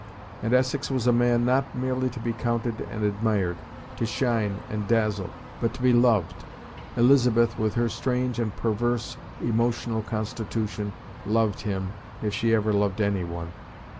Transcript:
And Essex was a man not merely to be courted and admired, to shine and dazzle, but to be loved. Elizabeth, with her strange and perverse emotional constitution, loved him, if she ever loved any one.